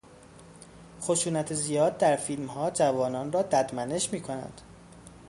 خشونت زیاد در فیلمها جوانان را ددمنش میکند.